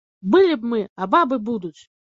Былі б мы, а бабы будуць!